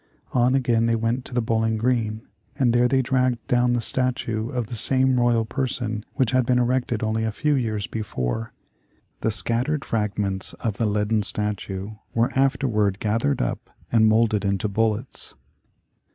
On again they went to the Bowling Green, and there they dragged down the statue of the same royal person which had been erected only a few years before. The scattered fragments of the leaden statue were afterward gathered up and moulded into bullets.